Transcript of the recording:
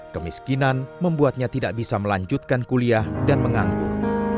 kemiskinan membuatnya tidak bisa melanjutkan kuliah dan menganggur